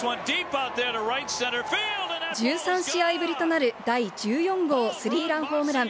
１３試合ぶりとなる第１４号スリーランホームラン。